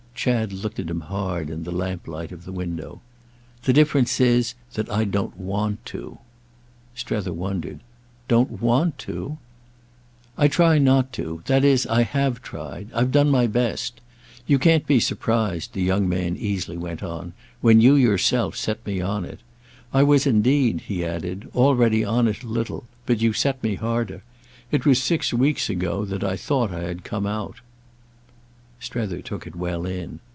Chad looked at him hard in the lamplight of the window. "The difference is that I don't want to." Strether wondered. "'Don't want' to?" "I try not to—that is I have tried. I've done my best. You can't be surprised," the young man easily went on, "when you yourself set me on it. I was indeed," he added, "already on it a little; but you set me harder. It was six weeks ago that I thought I had come out." Strether took it well in.